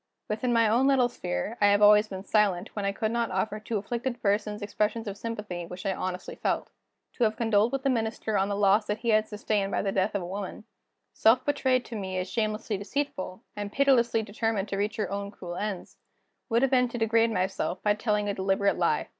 Within my own little sphere, I have always been silent, when I could not offer to afflicted persons expressions of sympathy which I honestly felt. To have condoled with the Minister on the loss that he had sustained by the death of a woman, self betrayed to me as shamelessly deceitful, and pitilessly determined to reach her own cruel ends, would have been to degrade myself by telling a deliberate lie.